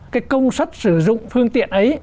cái công suất sử dụng phương tiện ấy